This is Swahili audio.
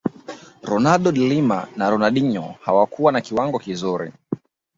ronaldo de Lima na Ronaldinho hawakuwa na kiwango kizuri